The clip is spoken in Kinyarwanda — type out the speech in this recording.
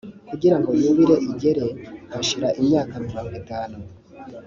kugira ngo yubile igere hashira imyaka mirongo itanu